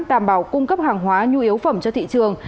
đảm bảo cung cấp hàng hóa nhu yếu phẩm cho thị trường